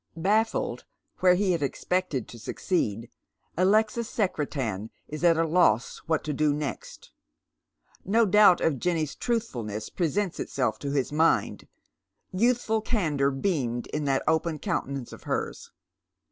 Baffled where he had expected to succeed, Alexis Secretan is at a loss what to do next. No doubt of Jenny's truthfulness presents itself to his mind, youthful candour beamed in that open countenance of hera.